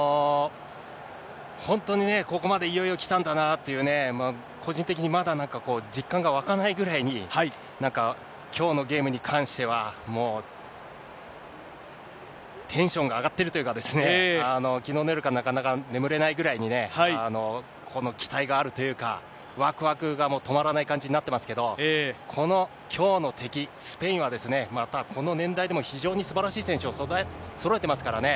本当にね、ここまでいよいよ来たんだなというね、個人的にまだなんか、実感が湧かないぐらいに、なんか、きょうのゲームに関してはもう、テンションが上がってるというかですね、きのうの夜からなかなか眠れないぐらいにね、この期待があるというか、わくわくが止まらない感じになってますけど、このきょうの敵、スペインはですね、またこの年代でも非常にすばらしい選手をそろえてますからね。